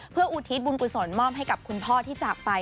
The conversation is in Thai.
เพื่ออุทิศบุญกุศลมอบให้กับคุณพ่อที่จากไป